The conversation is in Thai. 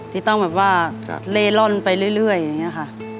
ที่ต้องแบบว่าเล่ร่อนไปเรื่อยอย่างนี้ค่ะ